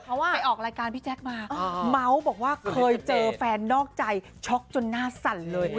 เขาไปออกรายการพี่แจ๊คมาเมาส์บอกว่าเคยเจอแฟนนอกใจช็อกจนหน้าสั่นเลย